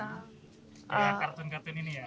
kartun kartun ini ya